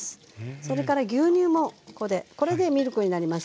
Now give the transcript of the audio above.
それから牛乳もここでこれでミルクになりますね。